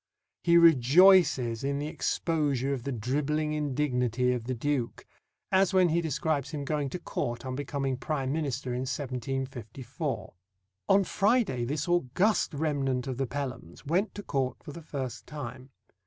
He rejoices in the exposure of the dribbling indignity of the Duke, as when he describes him going to Court on becoming Prime Minister in 1754: On Friday this august remnant of the Pelhams went to Court for the first time.